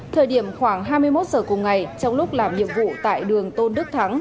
thời điểm khoảng hai mươi một giờ cùng ngày trong lúc làm nhiệm vụ tại đường tôn đức thắng